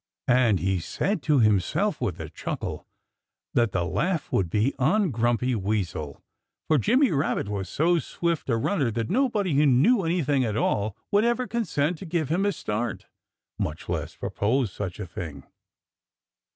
And he said to himself with a chuckle that the laugh would be on Grumpy Weasel. For Jimmy Rabbit was so swift a runner that nobody who knew anything at all would ever consent to give him a start much less propose such a thing.